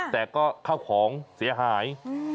แต่ก็เข้าของเสียหาย